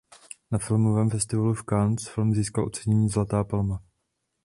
Na Filmovém festivalu v Cannes film získal ocenění Zlatá palma.